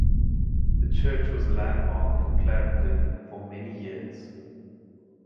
The church was a landmark for Clarendon for many years.